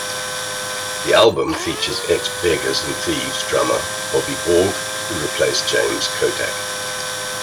The album features Ex Beggars and Thieves drummer Bobby Borg who replaced James Kottak.